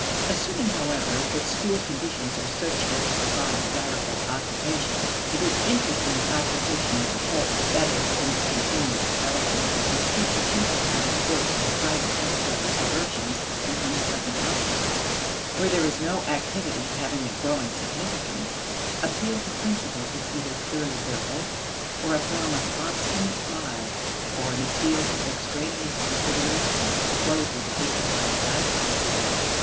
Assuming, however, that school conditions are such as to provide desirable occupations, it is interest in the occupation as a whole that is, in its continuous development which keeps a pupil at his work in spite of temporary diversions and unpleasant obstacles. Where there is no activity having a growing significance, appeal to principle is either purely verbal, or a form of obstinate pride or an appeal to extraneous considerations clothed with a dignified title.